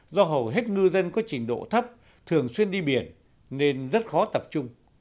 do hầu hết ngư dân có trình độ thấp thường xuyên đi biển nên rất khó tập trung